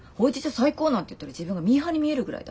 最高なんて言ってる自分がミーハーに見えるぐらいだわ。